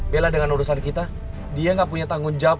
bela dengan urusan kita dia gak punya tanggung jawab